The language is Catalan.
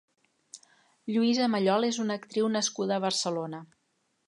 Lluïsa Mallol és una actriu nascuda a Barcelona.